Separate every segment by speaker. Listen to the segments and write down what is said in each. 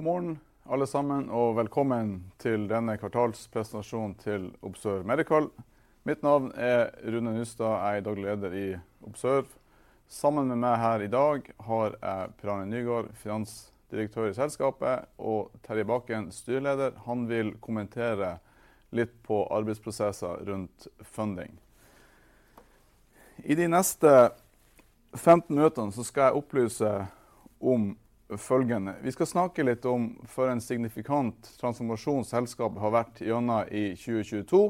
Speaker 1: God morgen alle sammen. Velkommen til denne kvartalspresentasjonen til Observe Medical. Mitt navn er Rune Nystad. Jeg er daglig leder i Observe Medical. Sammen med meg her i dag har jeg Per Arne Nygård, finansdirektør i selskapet, og Terje Bakken, styreleder. Han vil kommentere litt på arbeidsprosesser rundt funding. I de neste 15 møtene skal jeg opplyse om følgende: Vi skal snakke litt om for en signifikant transformasjon selskapet har vært gjennom i 2022,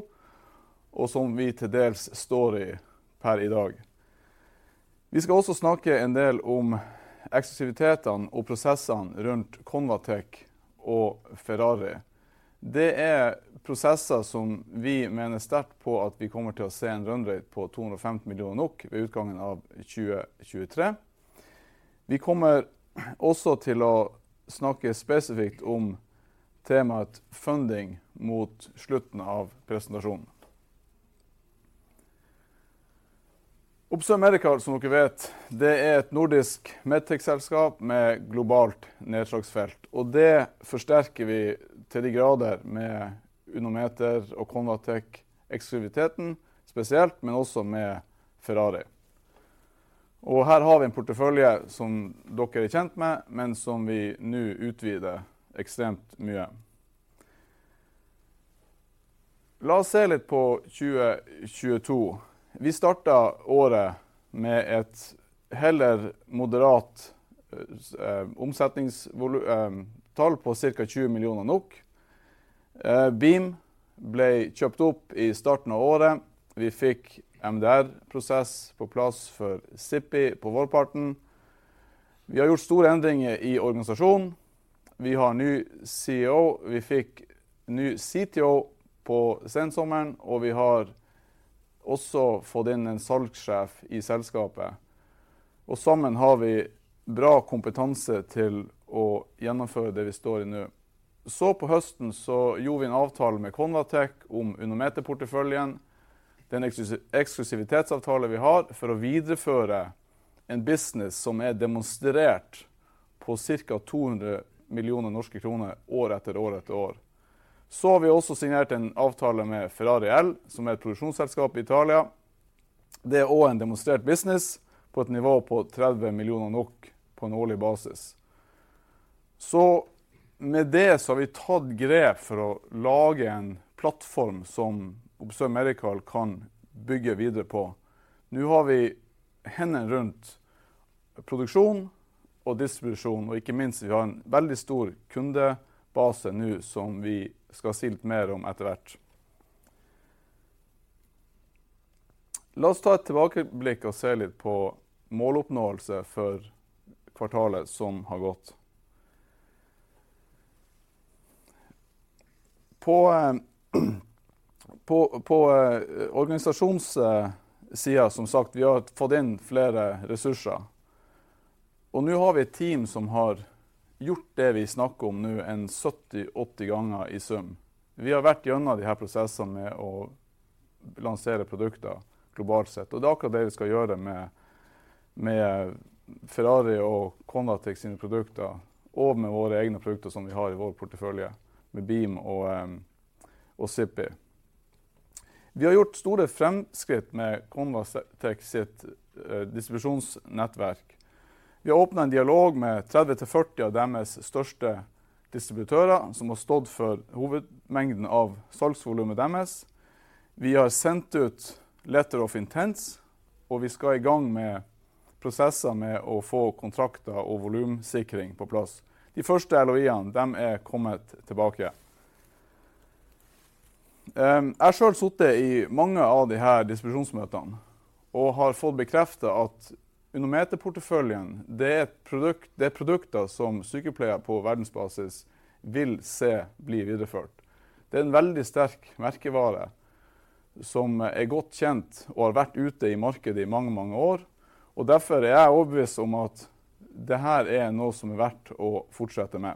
Speaker 1: og som vi til dels står i per i dag. Vi skal også snakke en del om eksklusivitetene og prosessene rundt ConvaTec og Ferrari. Det er prosesser som vi mener sterkt på at vi kommer til å se en run rate på 250 million NOK ved utgangen av 2023. Vi kommer også til å snakke spesifikt om temaet funding mot slutten av presentasjonen. Observe Medical som dere vet, det er et nordisk medtech selskap med globalt nedslagsfelt, og det forsterker vi til de grader med UnoMeter og Convatec eksklusiviteten spesielt, men også med Ferrari. Her har vi en portefølje som dere er kjent med, men som vi nå utvider ekstremt mye. La oss se litt på 2022. Vi startet året med et heller moderat omsetningsvolum, tall på cirka 20 million NOK. Biim ble kjøpt opp i starten av året. Vi fikk MDR prosess på plass for Sippi på vårparten. Vi har gjort store endringer i organisasjonen. Vi har ny CEO. Vi fikk ny CTO på sensommeren. Vi har også fått inn en salgssjef i selskapet. Sammen har vi bra kompetanse til å gjennomføre det vi står i nå. På høsten så gjorde vi en avtale med Convatec om UnoMeter porteføljen. Det er en eksklusivitetsavtale vi har for å videreføre en business som er demonstrert på cirka 200 million kroner år etter år etter år. Vi har også signert en avtale med Ferrari L., som er et produksjonsselskap i Italia. Det er og en demonstrert business på et nivå på 30 million på en årlig basis. Med det så har vi tatt grep for å lage en plattform som Observe Medical kan bygge videre på. Nå har vi hendene rundt produksjon og distribusjon, og ikke minst vi har en veldig stor kundebase nå som vi skal si litt mer om etter hvert. La oss ta et tilbakeblikk og se litt på måloppnåelse for kvartalet som har gått. På organisasjonssiden som sagt, vi har fått inn flere ressurser. Nå har vi et team som har gjort det vi snakker om nå en 70-80 ganger i sum. Vi har vært gjennom de her prosessene med å lansere produkter globalt sett. Det er akkurat det vi skal gjøre med Ferrari og Convatec sine produkter og med våre egne produkter som vi har i vår portefølje med Biim og Sippi. Vi har gjort store fremskritt med Convatec sitt distribusjonsnettverk. Vi har åpnet en dialog med 30-40 av deres største distributører som har stått for hovedmengden av salgsvolumet deres. Vi har sendt ut letter of intents, vi skal i gang med prosesser med å få kontrakter og volum sikring på plass. De første LOI-ene de er kommet tilbake. Jeg har selv sittet i mange av de her distribusjonsmøtene og har fått bekreftet at UnoMeter porteføljen, det er produkter som sykepleiere på verdensbasis vil se bli videreført. Det er en veldig sterk merkevare som er godt kjent og har vært ute i markedet i mange år, derfor er jeg overbevist om at det her er noe som er verdt å fortsette med.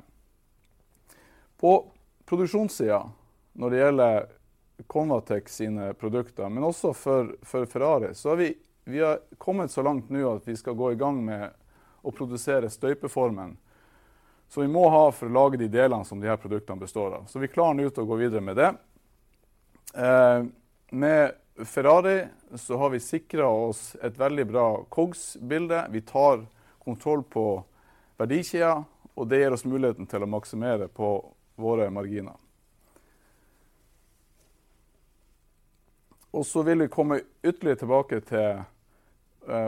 Speaker 1: På produksjonssiden når det gjelder Convatec sine produkter, men også for Ferrari, så vi har kommet så langt nå at vi skal gå i gang med å produsere støpeformen som vi må ha for å lage de delene som de her produktene består av. Vi er klar nå til å gå videre med det. Med Ferrari så har vi sikret oss et veldig bra COGS bilde. Vi tar kontroll på verdikjeden, det gir oss muligheten til å maksimere på våre marginer. Vi vil komme ytterligere tilbake til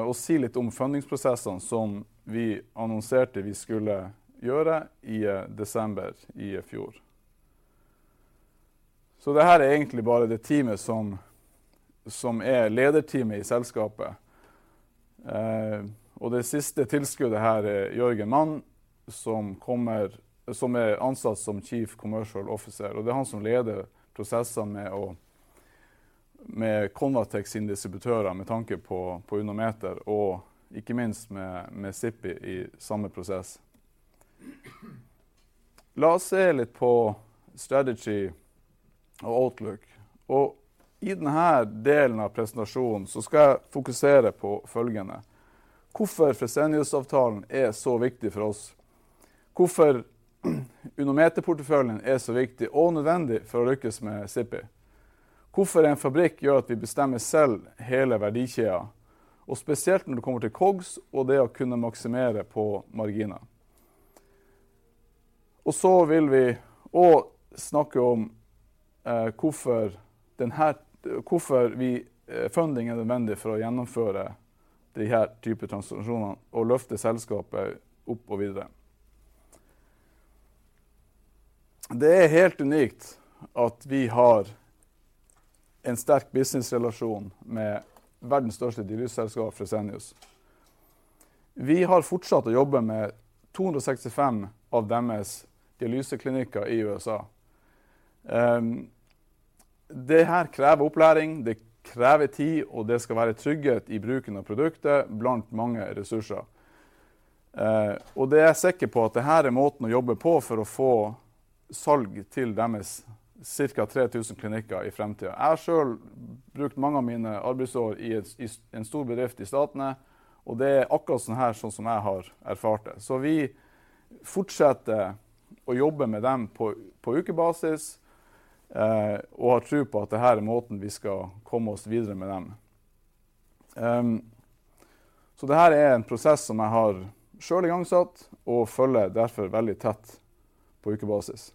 Speaker 1: å si litt om fundingsprosessene som vi annonserte vi skulle gjøre i desember i fjor. Det her er egentlig bare det teamet som er lederteamet i selskapet, og det siste tilskuddet her er Jørgen Mann som kommer, som er ansatt som Chief Commercial Officer. Det er han som leder prosessene med Convatec sine distributører med tanke på Unometer og ikke minst med Sippi i samme prosess. La oss se litt på Strategy og Outlook. I den her delen av presentasjonen så skal jeg fokusere på følgende: Hvorfor Fresenius avtalen er så viktig for oss. Hvorfor Unometer porteføljen er så viktig og nødvendig for å lykkes med Sippi. Hvorfor en fabrikk gjør at vi bestemmer selv hele verdikjeden, og spesielt når det kommer til COGS og det å kunne maksimere på marginer. Vil vi og snakke om hvorfor vi funding er nødvendig for å gjennomføre de her type transaksjoner og løfte selskapet opp og videre. Det er helt unikt at vi har en sterk business relasjon med verdens største dialyse selskap, Fresenius. Vi har fortsatt å jobbe med 265 av deres dialyse klinikker i USA. Det her krever opplæring. Det krever tid, og det skal være trygghet i bruken av produktet blant mange ressurser. Det er jeg sikker på at det her er måten å jobbe på for å få salg til deres cirka 3,000 klinikker i fremtiden. Jeg har selv brukt mange av mine arbeidsår i en stor bedrift i statene, og det er akkurat sånn her sånn som jeg har erfart det. Vi fortsetter å jobbe med dem på ukebasis, og har tro på at det her er måten vi skal komme oss videre med dem. Det her er en prosess som jeg har selv igangsatt og følger derfor veldig tett på ukebasis.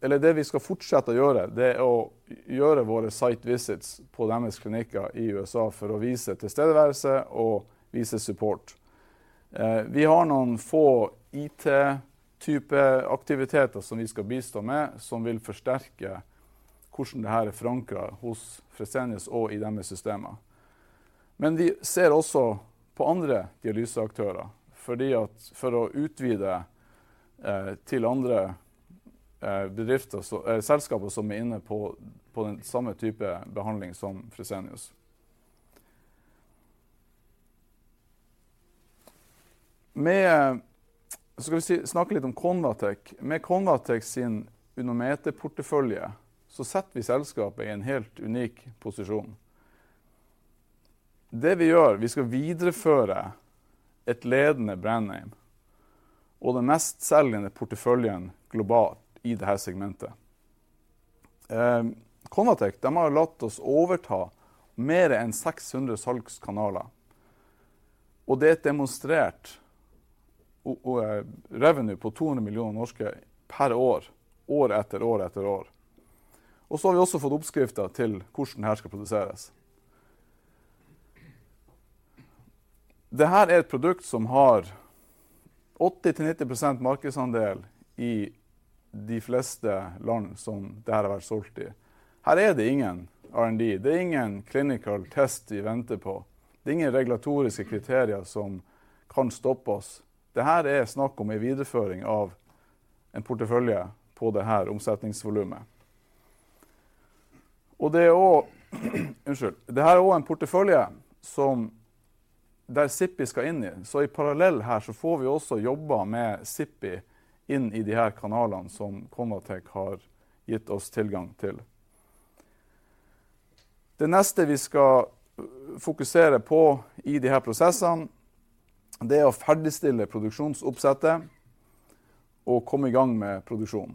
Speaker 1: Det vi skal fortsette å gjøre, det er å gjøre våre site visits på deres klinikker i USA for å vise tilstedeværelse og vise support. Vi har noen få IT type aktiviteter som vi skal bistå med som vil forsterke hvordan det her er forankret hos Fresenius og i deres systemer. Vi ser også på andre dialyse aktører fordi at for å utvide til andre bedrifter, selskaper som er inne på den samme type behandling som Fresenius. Snakke litt om Convatec. Med Convatec sin UnoMeter portefølje så setter vi selskapet i en helt unik posisjon. Det vi gjør, vi skal videreføre et ledende brand name og den mest selgende porteføljen globalt i det her segmentet. Convatec, dem har latt oss overta mer enn 600 salgskanaler. Det er demonstrert, og revenue på 200 million per år etter år etter år. Vi har også fått oppskriften til hvordan det her skal produseres. Det her er et produkt som har 80%-90% markedsandel i de fleste land som det her har vært solgt i. Her er det ingen R&D, det er ingen clinical test vi venter på. Det er ingen regulatoriske kriterier som kan stoppe oss. Det her er snakk om en videreføring av en portefølje på det her omsetningsvolumet, og det er og unnskyld, det her er og en portefølje som der Sippi skal inn i. I parallell her så får vi også jobbet med Sippi inn i de her kanalene som ConvaTec har gitt oss tilgang til. Det neste vi skal fokusere på i de her prosessene, det er å ferdigstille produksjonsoppsettet og komme i gang med produksjon.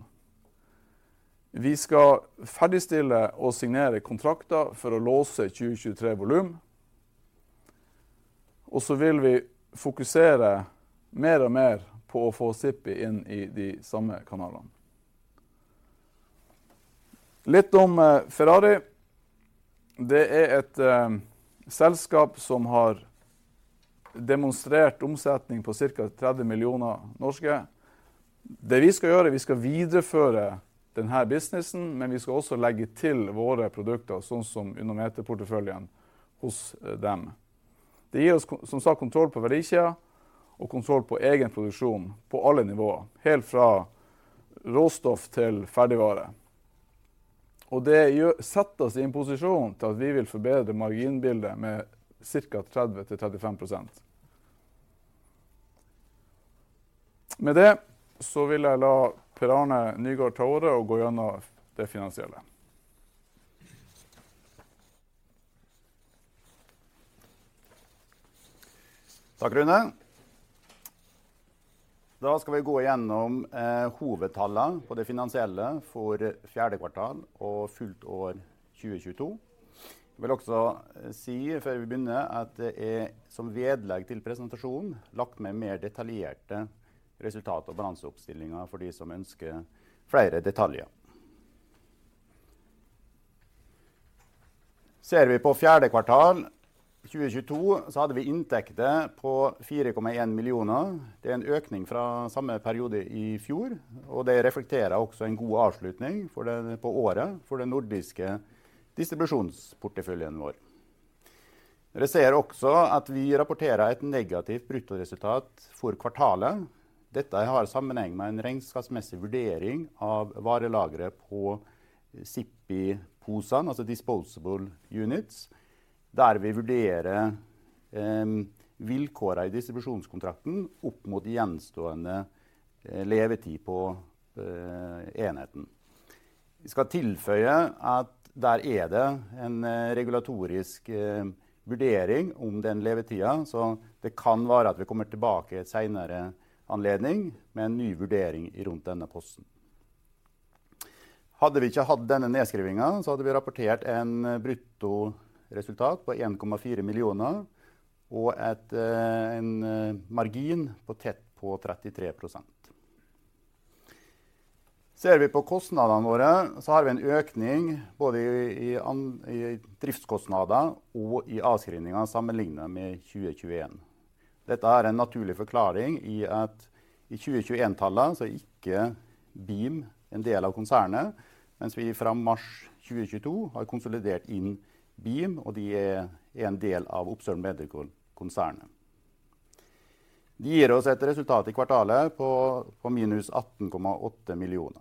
Speaker 1: Vi skal ferdigstille og signere kontrakter for å låse 2023 volum. Vil vi fokusere mer og mer på å få Sippi inn i de samme kanalene. Litt om Ferrari. Det er et selskap som har demonstrert omsetning på cirka 30 million NOK. Det vi skal gjøre, vi skal videreføre den her businessen. Vi skal også legge til våre produkter, sånn som UnoMeter porteføljen hos dem. Det gir oss som sagt kontroll på verdikjeden og kontroll på egen produksjon på alle nivåer, helt fra råstoff til ferdigvare. setter oss i en posisjon til at vi vil forbedre marginbildet med cirka 30-35%. Med det så vil jeg la Per Arne Nygård gå gjennom det finansielle.
Speaker 2: Takk Rune. Da skal vi gå gjennom hovedtallene på det finansielle for fjerde kvartal og fullt år 2022. Jeg vil også si før vi begynner at det er som vedlegg til presentasjonen lagt med mer detaljerte resultat og balanseoppstillingen for de som ønsker flere detaljer. Ser vi på fjerde kvartal 2022 så hadde vi inntekter på 4.1 million. Det er en økning fra samme periode i fjor, og det reflekterer også en god avslutning for det på året for den nordiske distribusjonsporteføljen vår. Dere ser også at vi rapporterer et negativt bruttoresultat for kvartalet. Dette har sammenheng med en regnskapsmessig vurdering av varelageret på Sippi posene, altså disposable units der vi vurderer vilkårene i distribusjonskontrakten opp mot den gjenstående levetid på enheten. Vi skal tilføye at der er det en regulatorisk vurdering om den levetiden, så det kan være at vi kommer tilbake i senere anledning med en ny vurdering rundt denne posten. Hadde vi ikke hatt denne nedskrivningen så hadde vi rapportert en bruttoresultat på 1.4 million og en margin på tett på 33%. Ser vi på kostnadene våre, så har vi en økning både i driftskostnader og i avskrivninger sammenlignet med 2021. Dette er en naturlig forklaring i at i 2021 tallene så ikke Biim en del av konsernet, mens vi fra mars 2022 har konsolidert inn Biim, og de er en del av Observe Medical konsernet. Det gir oss et resultat i kvartalet på minus 18.8 million.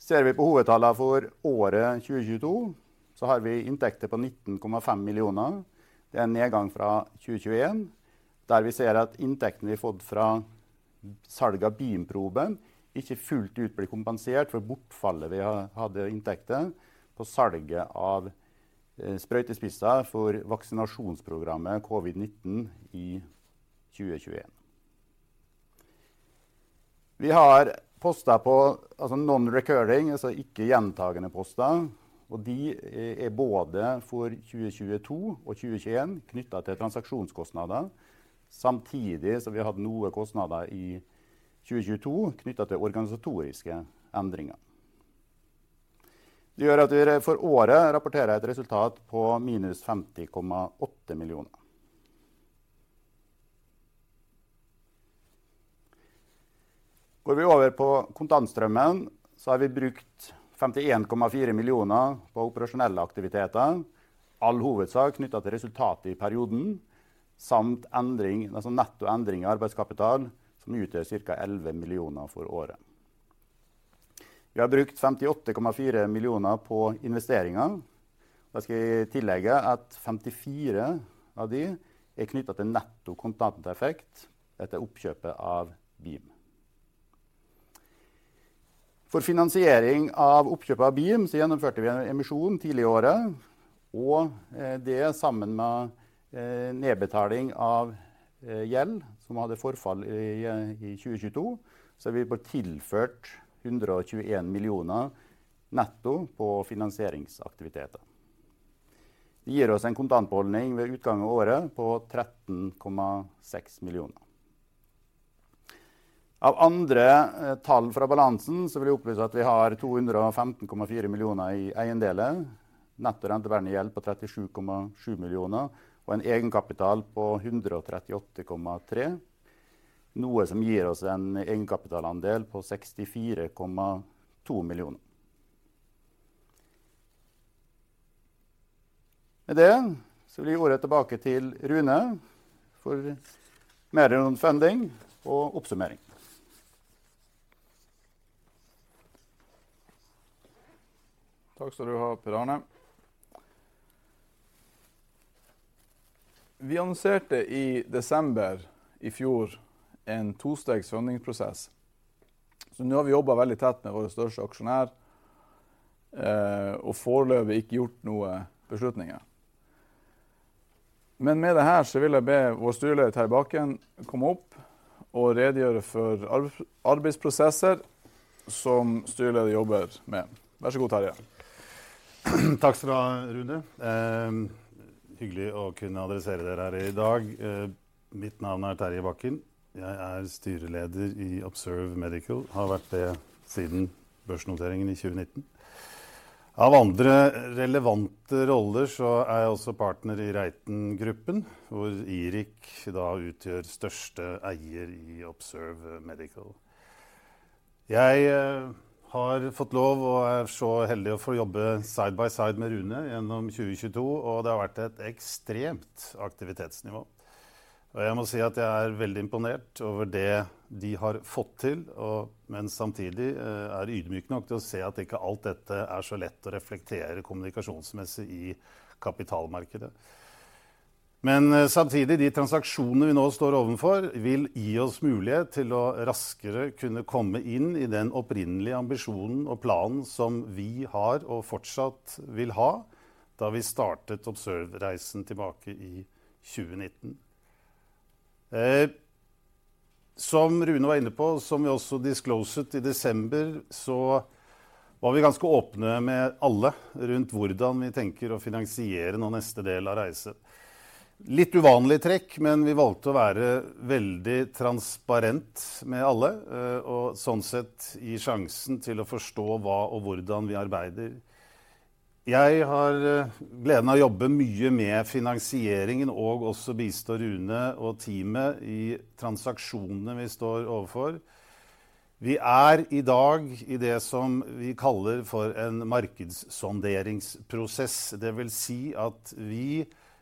Speaker 2: Ser vi på hovedtallene for året 2022, så har vi inntekter på 19.5 million. Det er en nedgang fra 2021 der vi ser at inntektene vi har fått fra salg av Biim-proben ikke fullt ut blir kompensert for bortfallet. Vi hadde inntekter på salget av sprøytespisser for vaksinasjonsprogrammet COVID-19 i 2021. Vi har postet på altså non-recurring, altså ikke gjentagende poster, og de er både for 2022 og 2021 knyttet til transaksjonskostnader, samtidig som vi har hatt noe kostnader i 2022 knyttet til organisatoriske endringer. Det gjør at vi for året rapporterer et resultat på NOK -50.8 million. Går vi over på kontantstrømmen har vi brukt 51.4 million på operasjonelle aktiviteter, i all hovedsak knyttet til resultatet i perioden samt endring, altså netto endring i arbeidskapital som utgjør cirka 11 million for året. Vi har brukt 58.4 million på investeringer. Da skal jeg tillegge at femtifire av de er knyttet til netto kontanteffekt etter oppkjøpet av Beam. For finansiering av oppkjøpet av Beam så gjennomførte vi en emisjon tidlig i året, og det sammen med nedbetaling av gjeld som hadde forfall i, i 2022, så har vi fått tilført hundre og tjue en millioner netto på finansieringsaktiviteter. Det gir oss en kontantbeholdning ved utgangen av året på tretten komma seks millioner. Av andre tall fra balansen så vil jeg opplyse at vi har to hundre og femten komma fire millioner i eiendeler. Netto rentebærende gjeld på tretti syv komma syv millioner og en egenkapital på hundre og tretti åtte komma tre, noe som gir oss en egenkapitalandel på seksti fire komma to millioner. Med det så vil gi ordet tilbake til Rune for mer rundt funding og oppsummering.
Speaker 1: Takk skal du Per Arne. Vi annonserte i desember i fjor en to stegs finansieringsprosess. Nå har vi jobbet veldig tett med våre største aksjonær. Og foreløpig ikke gjort noen beslutninger. Med det her så vil jeg be vår Styreleder Terje Bakken komme opp og redegjøre for arbeidsprosesser som styret leder jobber med. Vær så god, Terje!
Speaker 3: Takk skal du Rune. Hyggelig å kunne adressere dere her i dag. Mitt navn er Terje Bakken. Jeg er styreleder i Observe Medical. Har vært det siden børsnoteringen i 2019. Av andre relevante roller så er jeg også partner i Reiten Gruppen, hvor IRIC da utgjør største eier i Observe Medical. Jeg har fått lov og er så heldig å få jobbe side by side med Rune gjennom 2022, og det har vært et ekstremt aktivitetsnivå, og jeg må si at jeg er veldig imponert over det de har fått til og mens samtidig er ydmyk nok til å se at ikke alt dette er så lett å reflektere kommunikasjonsmessig i kapitalmarkedet. Samtidig de transaksjonene vi nå står ovenfor vil gi oss mulighet til å raskere kunne komme inn i den opprinnelige ambisjonen og planen som vi har og fortsatt vil ha då vi startet Observe reisen tilbake i 2019. Som Rune var inne på, som vi også disclosed i desember, så var vi ganske åpne med alle rundt hvordan vi tenker å finansiere nå neste del av reisen. Litt uvanlig trekk, men vi valgte å være veldig transparent med alle, og sånn sett gi sjansen til å forstå hva og hvordan vi arbeider. Jeg har gleden av å jobbe mye med finansieringen og også bistå Rune og teamet i transaksjonene vi står ovenfor.
Speaker 1: Vi er i dag i det som vi kaller for en markedssonderingsprosess. Det vil si at vi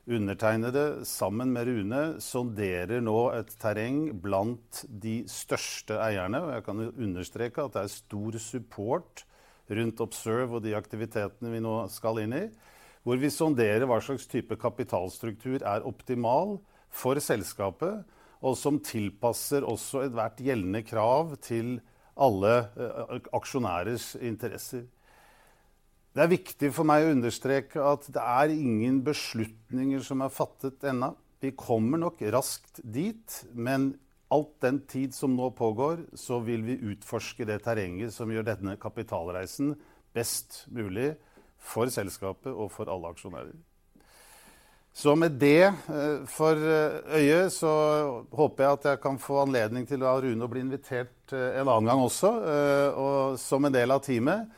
Speaker 1: undertegnede, sammen med Rune, sonderer nå et terreng blant de største eierne. Jeg kan understreke at det er stor support rundt Observe og de aktivitetene vi nå skal inn i, hvor vi sonderer hva slags type kapitalstruktur er optimal for selskapet, og som tilpasser også ethvert gjeldende krav til alle aksjonærers interesser. Det er viktig for meg å understreke at det er ingen beslutninger som er fattet ennå. Vi kommer nok raskt dit, all den tid som nå pågår så vil vi utforske det terrenget som gjør denne kapitalreisen best mulig for selskapet og for alle aksjonærer. Med det for øye så håper jeg at jeg kan få anledning til å la Rune bli invitert en annen gang også, og som en del av teamet.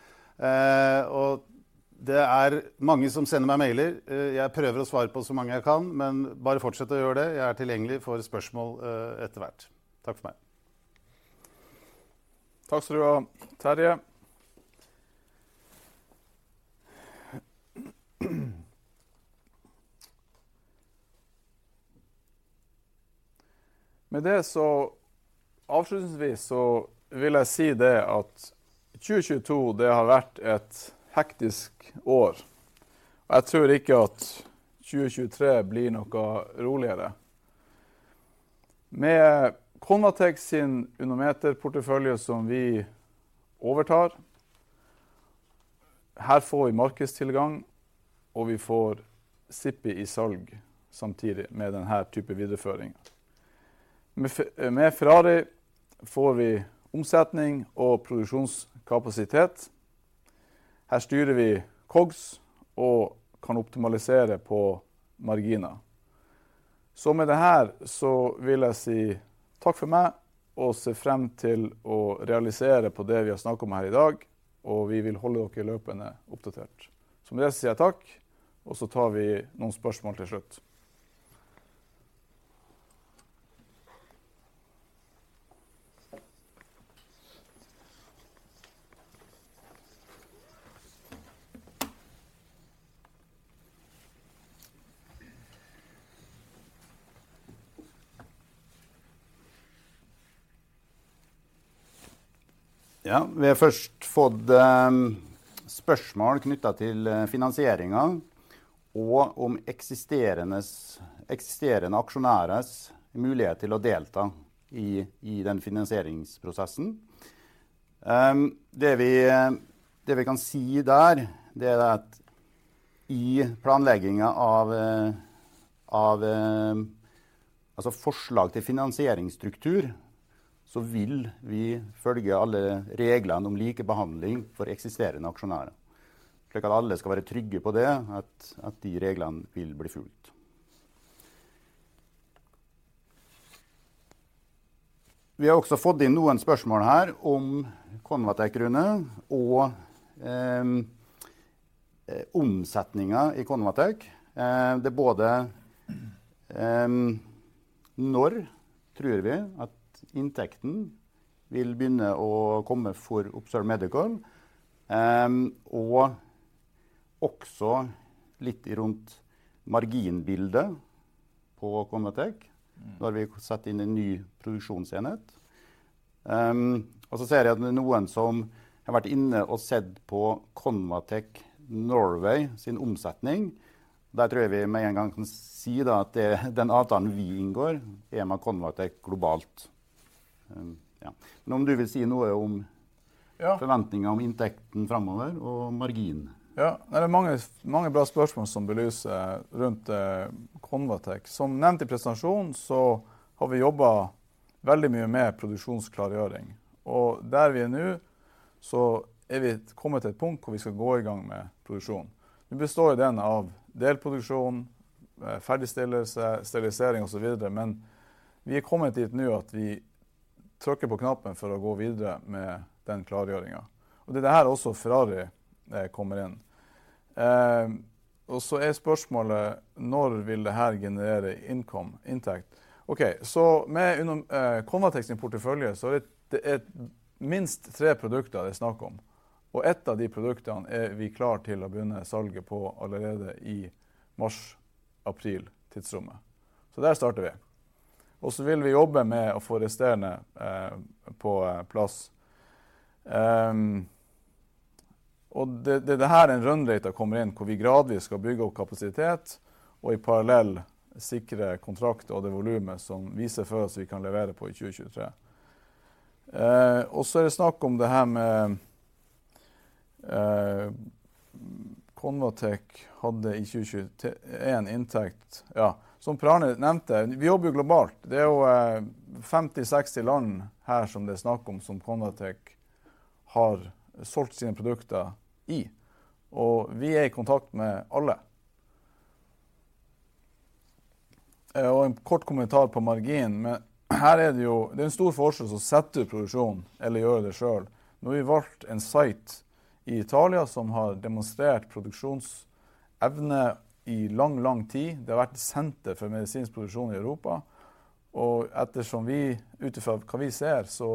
Speaker 1: Det er mange som sender meg mailer. Jeg prøver å svare på så mange jeg kan, men bare fortsett å gjøre det. Jeg er tilgjengelig for spørsmål etter hvert. Takk for meg.
Speaker 2: Takk skal du ha, Terje. Med det avslutningsvis vil jeg si det at 2022 det har vært et hektisk år, og jeg tror ikke at 2023 blir noe roligere. Med Convatec sin UnoMeter portefølje som vi overtar. Her får vi markedstilgang og vi får Sippi i salg samtidig med den her type videreføring. Med Ferrari får vi omsetning og produksjonskapasitet. Her styrer vi COGS og kan optimalisere på marginer. Med det her vil jeg si takk for meg og ser frem til å realisere på det vi har snakket om her i dag, vi vil holde dere løpende oppdatert. Med det sier jeg takk. Tar vi noen spørsmål til slutt. Ja, vi har først fått spørsmål knyttet til finansieringen og om eksisterende aksjonærers mulighet til å delta i den finansieringsprosessen. Det vi kan si der, det er at i planleggingen av altså forslag til finansieringsstruktur, så vil vi følge alle reglene om likebehandling for eksisterende aksjonærer, slik at alle skal være trygge på det at de reglene vil bli fulgt. Vi har også fått inn noen spørsmål her om ConvaTec, Rune og omsetningen i ConvaTec. Det både, når tror vi at inntekten vil begynne å komme for Observe Medical? Og også litt rundt marginbildet på ConvaTec når vi setter inn en ny produksjonsenhet. Og så ser jeg at det er noen som har vært inne og sett på ConvaTec Norway sin omsetning. Der tror jeg vi med en gang kan si da at den avtalen vi inngår er med ConvaTec globalt. Ja. Om du vil si noe om-
Speaker 1: Ja.
Speaker 2: Forventninger om inntekten fremover og margin.
Speaker 1: Det er mange bra spørsmål som belyser rundt ConvaTec. Som nevnt i presentasjonen så har vi jobbet veldig mye med produksjonsklargjøring og der vi er nå så er vi kommet til et punkt hvor vi skal gå i gang med produksjon. Nå består den av delproduksjon, ferdigstillelse, sterilisering og så videre. Vi har kommet dit nå at vi trykker på knappen for å gå videre med den klargjøringen. Det er her også Ferrari kommer inn. Er spørsmålet når vil det her generere income, inntekt? Med under ConvaTec sin portefølje så det er minst 3 produkter det er snakk om, og et av de produktene er vi klar til å begynne salget på allerede i mars april tidsrommet. Der starter vi. Vil vi jobbe med å få resterende på plass. Det her er en run rate av kommer inn hvor vi gradvis skal bygge opp kapasitet og i parallell sikre kontrakt og det volumet som viser for oss vi kan levere på i 2023. Det er snakk om det her med ConvaTec hadde i 2021 en inntekt. Ja, som Per Arne nevnte. Vi jobber globalt. Det er jo 50, 60 land her som det er snakk om som ConvaTec har solgt sine produkter i, og vi er i kontakt med alle. En kort kommentar på marginen, men her er det jo det er en stor forskjell å sette produksjon eller gjøre det selv. Når vi valgte en site i Italia som har demonstrert produksjonsevne i lang tid. Det har vært et senter for medisinsk produksjon i Europa, og ettersom vi ut ifra hva vi ser så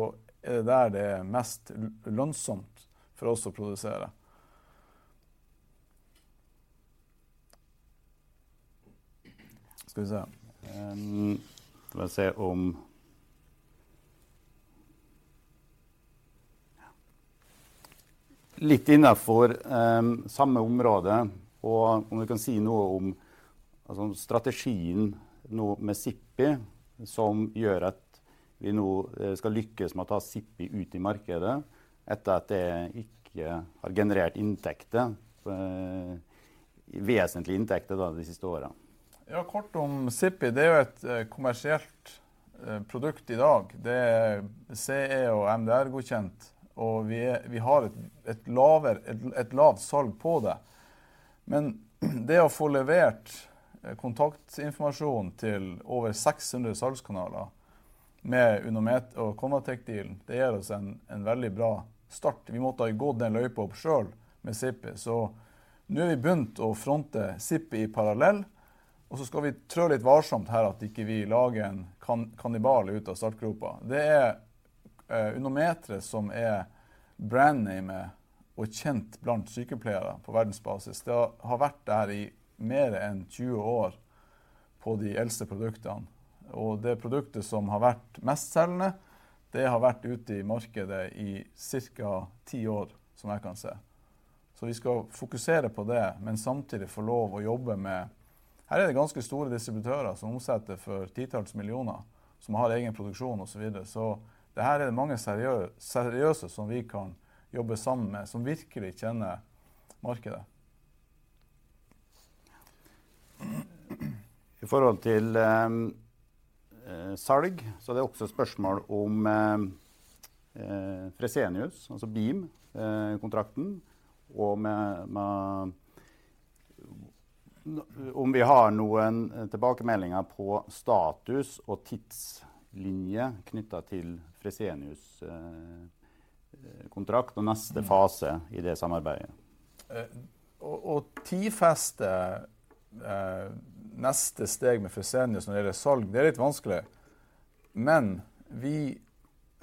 Speaker 1: er det der det er mest lønnsomt for oss å produsere.
Speaker 2: Skal vi se. la meg se om. Ja. Litt innenfor, samme område. Om du kan si noe om strategien nå med Sippi som gjør at vi nå skal lykkes med å ta Sippi ut i markedet etter at det ikke har generert inntekter, vesentlige inntekter da de siste årene.
Speaker 1: Kort om Sippi. Det er jo et kommersielt produkt i dag. Det er CE og MDR godkjent og vi har et lavt salg på det. Men det å få levert kontaktinformasjon til over 600 salgskanaler med UnoMeter og ConvaTec dealen, det gir oss en veldig bra start. Vi måtte ha gått den løypa selv med Sippi, så nå har vi begynt å fronte Sippi i parallell. Så skal vi trø litt varsomt her, at ikke vi lager en kannibal ut av startgropa. Det er UnoMeteret som er brand name og kjent blant sykepleiere på verdensbasis. Det har vært der i mer enn 20 år på de eldste produktene og det produktet som har vært mestselgende. Det har vært ute i markedet i cirka 10 år som jeg kan se. Vi skal fokusere på det, men samtidig få lov å jobbe med. Her er det ganske store distributører som omsetter for titalls millioner som har egen produksjon og så videre. Det her er det mange seriøse som vi kan jobbe sammen med som virkelig kjenner markedet.
Speaker 2: I forhold til salg så er det også et spørsmål om Fresenius, altså Biim kontrakten, og med om vi har noen tilbakemeldinger på status og tidslinje knyttet til Fresenius kontrakt og neste fase i det samarbeidet.
Speaker 1: Å tidfeste neste steg med Fresenius når det gjelder salg. Det er litt vanskelig, vi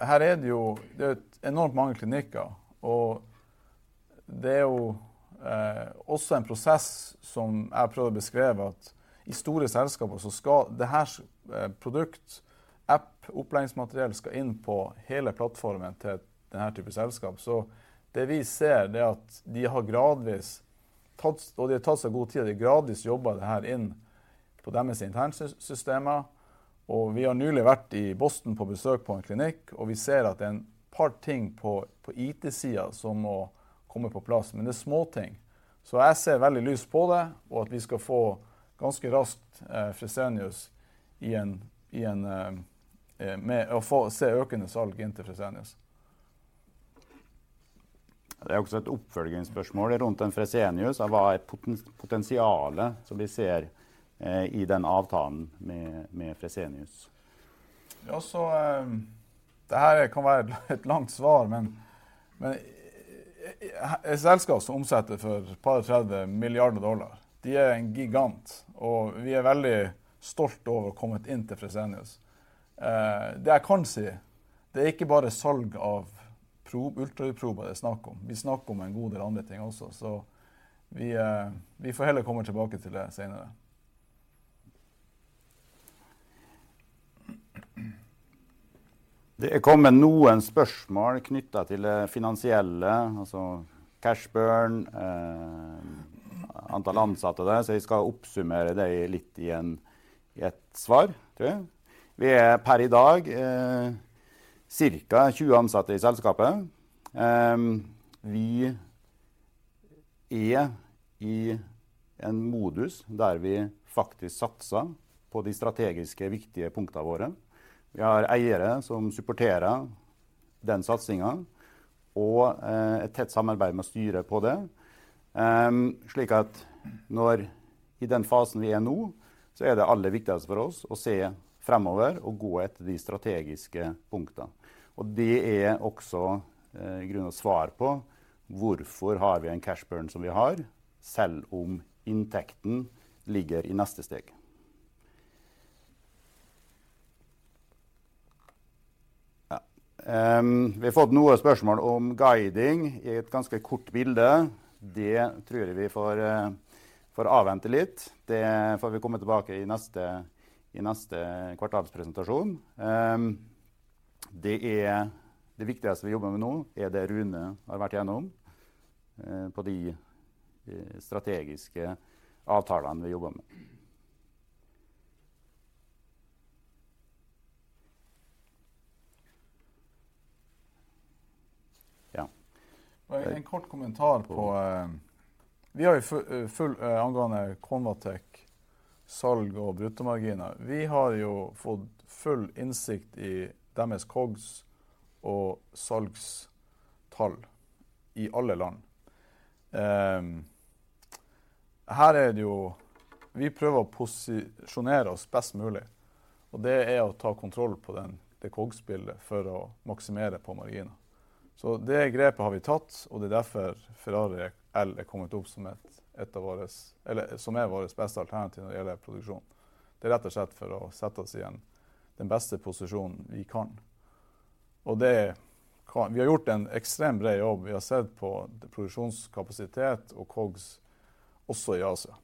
Speaker 1: her er det jo. Det er enormt mange klinikker, det er jo også en prosess som jeg prøvde å beskrive at i store selskaper så skal det her produkt, app, opplæringsmateriell skal inn på hele plattformen til den her type selskap. Det vi ser er at de har gradvis tatt og de har tatt seg god tid. De gradvis jobbet det her inn på deres interne systemer. Vi har nylig vært i Boston på besøk på en klinikk, og vi ser at det er en par ting på IT siden som må komme på plass. Det er småting, jeg ser veldig lyst på det og at vi skal få ganske raskt Fresenius i en med å få se økende salg inn til Fresenius.
Speaker 2: Det er også et oppfølgingsspørsmål rundt den Fresenius. Hva er potensialet som vi ser i den avtalen med Fresenius?
Speaker 1: Dette kan være et langt svar. Et selskap som omsetter for $et par og tredve milliarder. De er en gigant, og vi er veldig stolt over å kommet inn til Fresenius. Det jeg kan si. Det er ikke bare salg av probe, ultraproben det er snakk om. Vi snakker om en god del andre ting også. Vi får heller komme tilbake til det senere.
Speaker 2: Det er kommet noen spørsmål knyttet til det finansielle. Altså cash burn. Antall ansatte der. Vi skal oppsummere det litt i et svar tror jeg. Vi er per i dag cirka 20 ansatte i selskapet. Vi er i en modus der vi faktisk satser på de strategiske viktige punktene våre. Vi har eiere som supporter den satsingen og et tett samarbeid med styret på det. I den fasen vi er nå, er det aller viktigste for oss å se fremover og gå etter de strategiske punktene. Det er også i grunnen svar på hvorfor har vi en cash burn som vi har, selv om inntekten ligger i neste steg? Ja, vi har fått noen spørsmål om guiding i et ganske kort bilde. Det tror jeg vi får avvente litt. Det får vi komme tilbake i neste kvartalspresentasjon. Det er det viktigste vi jobber med nå er det Rune har vært igjennom på de strategiske avtalene vi jobber med. Ja.
Speaker 1: Bare en kort kommentar på. Vi har jo full angående ConvaTec salg og bruttomarginer. Vi har jo fått full innsikt i deres COGS og salgstall i alle land. Her er det jo, vi prøver å posisjonere oss best mulig. Det er å ta kontroll på den, det COGS bildet for å maksimere på marginen. Det grepet har vi tatt, og det er derfor Ferrari L er kommet opp som et ett av våres eller som er vårt beste alternativ når det gjelder produksjon. Det er rett og slett for å sette oss i en den beste posisjonen vi kan. Vi har gjort en ekstremt bra jobb. Vi har sett på produksjonskapasitet og COGS også i Asia.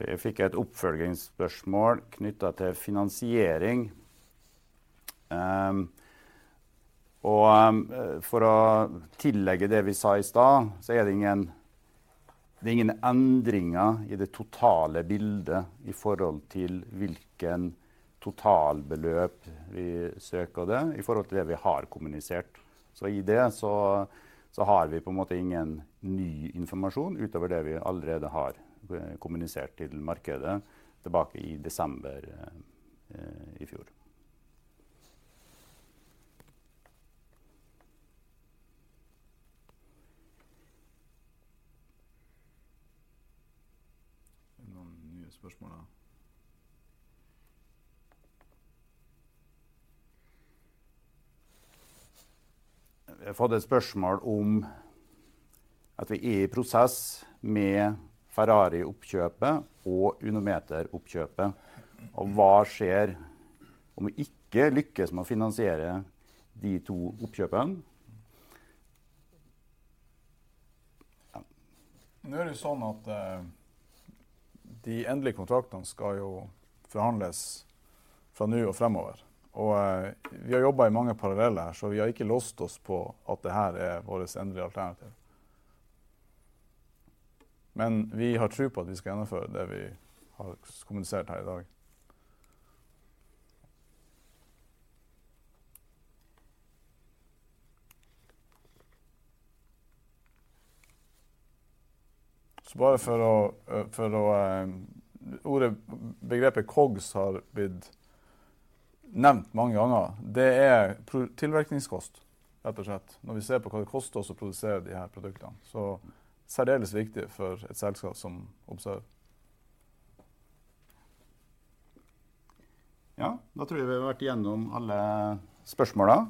Speaker 2: Jeg fikk et oppfølgingsspørsmål knyttet til finansiering. For å tillegg det vi sa i stad, det er ingen endringer i det totale bildet i forhold til hvilken totalbeløp vi søker det i forhold til det vi har kommunisert. I det så har vi på en måte ingen ny informasjon utover det vi allerede har kommunisert til markedet tilbake i desember i fjor. Er det noen nye spørsmål da? Vi har fått et spørsmål om at vi er i prosess med Ferrari oppkjøpet og UnoMeter oppkjøpet. Hva skjer om vi ikke lykkes med å finansiere de to oppkjøpene?
Speaker 1: Det er sånn at de endelige kontraktene skal jo forhandles fra nå og fremover, vi har jobbet i mange paralleller, vi har ikke låst oss på at det her er vårt endelige alternativ. Vi har tro på at vi skal gjennomføre det vi har kommunisert her i dag. Bare for å ordet begrepet COGS har blitt nevnt mange ganger. Det er tilvirkningskost rett og slett. Når vi ser på hva det koster å produsere de her produktene så særdeles viktig for et selskap som Observe.
Speaker 2: Ja, da tror jeg vi har vært gjennom alle spørsmålene.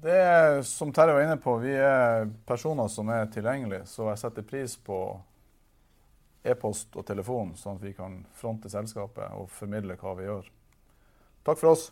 Speaker 1: Det er som Terje var inne på. Vi er personer som er tilgjengelig, så jeg setter pris på epost og telefon sånn at vi kan fronte selskapet og formidle hva vi gjør. Takk for oss!